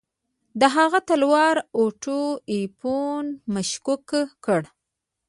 د هغه تلوار اوټو ایفز مشکوک کړ.